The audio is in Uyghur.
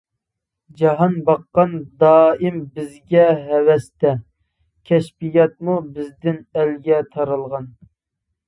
جاھان باققان دائىم بىزگە ھەۋەستە، كەشپىياتمۇ بىزدىن ئەلگە تارالغان.